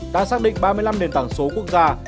đã xác định ba mươi năm nền tảng số quốc gia